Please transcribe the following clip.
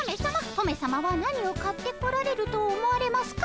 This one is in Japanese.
トメさまは何を買ってこられると思われますか？